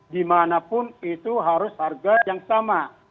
dimanapun itu harus harga yang sama